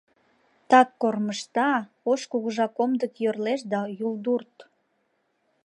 Так кормыжта — ош кугыжа комдык йӧрлеш да юлдурт!